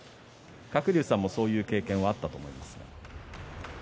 鶴竜さんもそういう経験があったと思います。